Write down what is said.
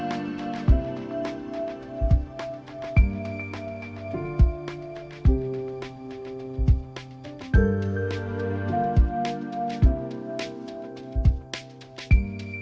perbaikan kawasan terus dilakukan khususnya ekosistem laut